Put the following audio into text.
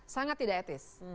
sangat tidak etis